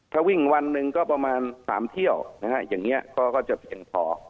ถ้าวิ่งวันหนึ่งก็ประมาณ๓เที่ยวนะฮะอย่างนี้ก็จะเพียงพอ